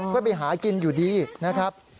เพื่อไปหากินอยู่ดีนะครับ